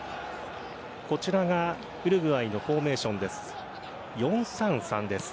こちらがウルグアイのフォーメーションです。